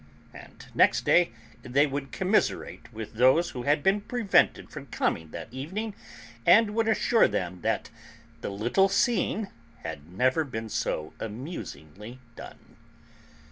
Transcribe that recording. And next day they would commiserate with those who had been prevented from coming that evening, and would assure them that the 'little scene' had never been so amusingly done.